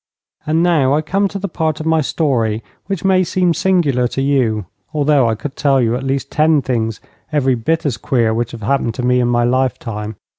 And now I come to the part of my story which may seem singular to you, although I could tell you at least ten things every bit as queer which have happened to me in my lifetime.